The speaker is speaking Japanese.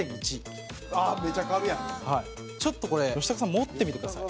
松橋：ちょっと、これ、吉高さん持ってみてください。